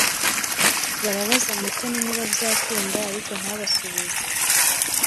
Barabaza Mutoni niba byakunda ariko ntabasubize.